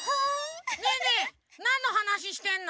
ねえねえなんのはなししてんの？